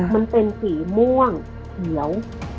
มันเป็นสีม่วงเขียว